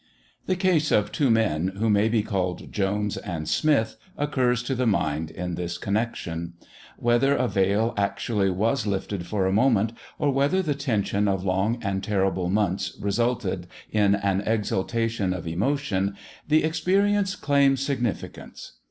The case of two men, who may be called Jones and Smith, occurs to the mind in this connection. Whether a veil actually was lifted for a moment, or whether the tension of long and terrible months resulted in an exaltation of emotion, the experience claims significance.